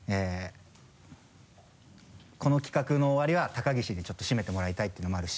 この企画の終わりは高岸にちょっとちょっと締めてもらいたいっていうのもあるし。